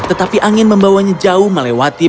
tetapi angin membawanya jauh melewati